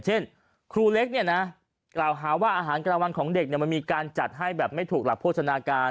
เช่นครูเล็กเนี่ยนะกล่าวหาว่าอาหารกลางวันของเด็กมันมีการจัดให้แบบไม่ถูกหลักโภชนาการ